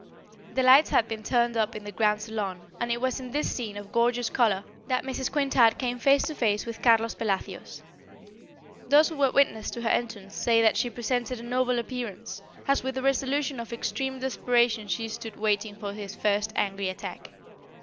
The lights had been turned up in the grand salon and it was in this scene of gorgeous colour that Mrs. Quintard came face to face with Carlos Pelacios. Those who were witness to her entrance say that she presented a noble appearance, as with the resolution of extreme desperation she stood waiting for his first angry attack.